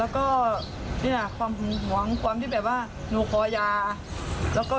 แล้วก็เนี่ยความหึงหวงความที่แบบว่าหนูขอยาแล้วก็